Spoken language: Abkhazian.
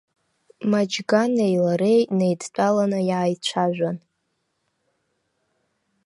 Маџьганеи лареи неидтәалан иааицәажәан.